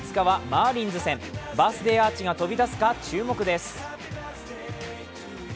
バースデーアーチが飛び出すか注目です。